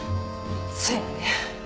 そうやね。